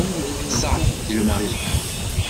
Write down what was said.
Ça! dit le mari.